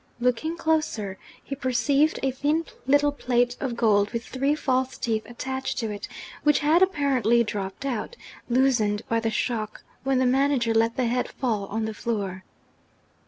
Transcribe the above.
Looking closer, he perceived a thin little plate of gold, with three false teeth attached to it, which had apparently dropped out (loosened by the shock) when the manager let the head fall on the floor.